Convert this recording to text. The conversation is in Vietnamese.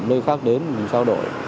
nơi khác đến mình trao đổi